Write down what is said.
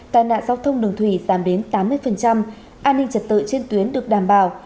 tai nạn giao thông đường thủy giảm đến tám mươi an ninh trật tự trên tuyến được đảm bảo